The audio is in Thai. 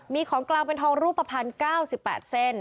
มีของกลางเป็นทองรูปภัณฑ์๙๘เส้น